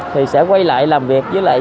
thì sẽ quay lại làm việc với lại